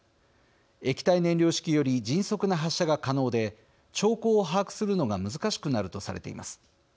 液体燃料式より迅速な発射が可能で兆候を把握するのが難しくなるとされています。